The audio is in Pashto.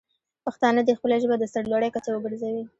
پښتانه دې خپله ژبه د سر لوړۍ کچه وګرځوي.